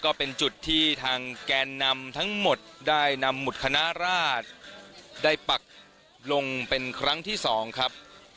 ก็เป็นจุดที่ทางแกนนำทั้งหมดได้นำหุดคณะราชได้ปักลงเป็นครั้งที่๒ครับ